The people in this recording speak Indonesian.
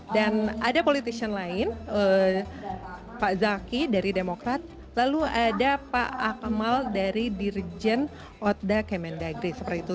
dan ada politician lain pak zaky dari demokrat lalu ada pak akmal dari dirjen otda kemendagri seperti itu